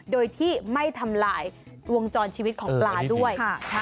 โดยที่ไม่ทำลายวงจรชีวิตของปลาด้วย